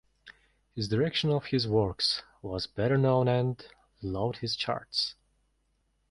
His direction of his works was better known and loved his charts.